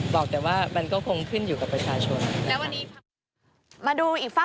บอกแต่ว่ามันก็คงขึ้นอยู่กับประชาชนนะคะ